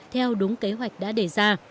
theo đúng kế hoạch đã đề ra